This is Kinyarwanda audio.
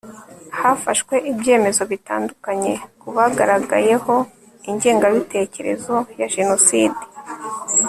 hafashwe ibyemezo bitandukanye ku bagaragayeho ingengabitekerezo ya jenoside